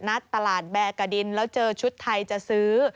ตลาดแบกะดินแล้วเจอชุดไทยจะซื้อ